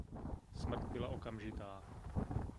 Smrt byla okamžitá.